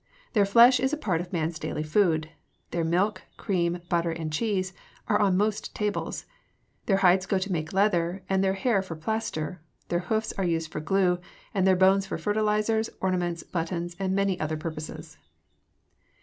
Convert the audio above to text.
Their flesh is a part of man's daily food; their milk, cream, butter, and cheese are on most tables; their hides go to make leather, and their hair for plaster; their hoofs are used for glue, and their bones for fertilizers, ornaments, buttons, and many other purposes.